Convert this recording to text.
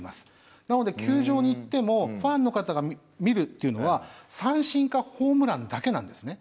なので球場に行ってもファンの方が見るっていうのは三振かホームランだけなんですね。